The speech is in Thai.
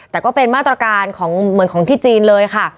แต่ก็เป็นมาตรการของเหมือนของที่จีนเลยค่ะ